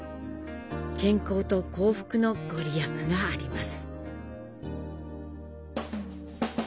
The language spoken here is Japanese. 健康と幸福の御利益があります。